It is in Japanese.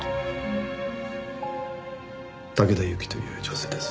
竹田ユキという女性です。